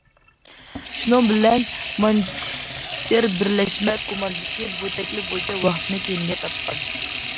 شۇنىڭ بىلەن مانچېستېر بىرلەشمە كوماندىسى بۇ تەكلىپ بويىچە ۋاقىتنى كەينىگە تارتقان.